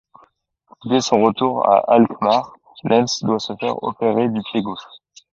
Dès son retour à Alkmaar, Lens doit se faire opérer du pied gauche.